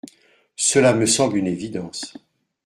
Cela me semble une évidence.